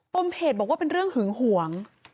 มเพจบอกว่าเป็นเรื่องหึงหวง